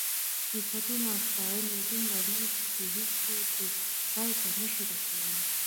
صفتونه او ستاینې یې دومره ډېرې دي چې هېڅوک یې پای ته نشي رسولی.